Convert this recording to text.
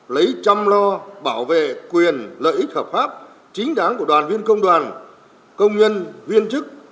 lấy chăm lo bảo vệ quyền lợi ích hợp pháp chính đáng của đoàn viên công đoàn công nhân viên chức